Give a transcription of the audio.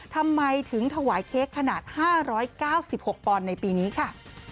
ทำไมถึงถวายเค้กขนาด๕๙๖ปอนด์ในปีนี้ค่ะ